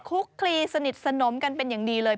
คุกคลีสนิทสนมกันเป็นอย่างดีเลย